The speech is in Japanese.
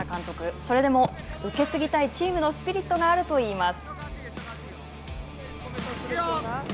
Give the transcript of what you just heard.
それでも受け継ぎたいチームのスピリットがあるといいます。